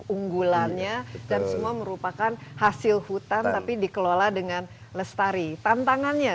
unggulannya dan semua merupakan hasil hutan tapi dikelola dengan lestari tantangannya